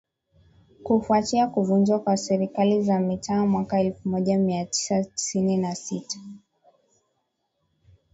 kufuatia kuvunjwa kwa Serikali za Mitaa mwaka elfu moja mia tisa tisini na sita